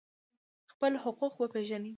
خپل حقوق وپیژنئ